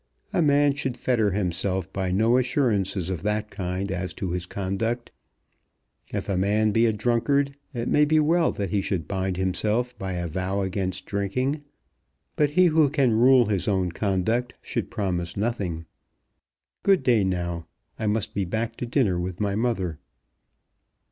A man should fetter himself by no assurances of that kind as to his conduct. If a man be a drunkard, it may be well that he should bind himself by a vow against drinking. But he who can rule his own conduct should promise nothing. Good day now. I must be back to dinner with my mother."